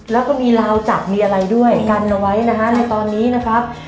แล้วก็มีราวจักรมีอะไรด้วยกันเอาไว้นะฮะในตอนนี้นะครับ